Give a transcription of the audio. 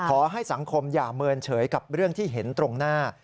ขอให้สังคมอย่าเมินเฉยกับเรื่องที่เห็นตรงหน้า